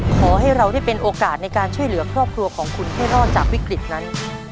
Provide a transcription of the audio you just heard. ขอให้เราได้เป็นโอกาสในการช่วยเหลือครอบครัวของคุณให้รอดจากวิกฤตนั้น